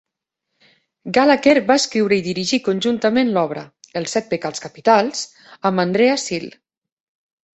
Gallacher va escriure i dirigir conjuntament l'obra, "Els Set Pecats Capitals", amb Andrea Seale.